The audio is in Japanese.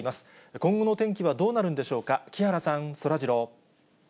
今後の天気はどうなるんでしょうか、木原さん、そらジロー。